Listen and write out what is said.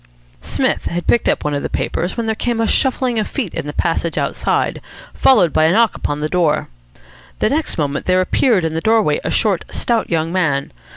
Psmith had picked up one of the papers when there came a shuffling of feet in the passage outside, followed by a knock upon the door. The next moment there appeared in the doorway a short, stout young man.